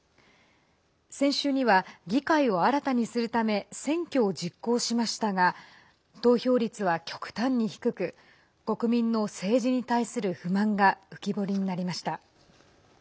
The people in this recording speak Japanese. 先週には議会を新たにするため選挙を実行しましたが投票率は極端に低く国民の政治に対する不満が浮き彫りになりました。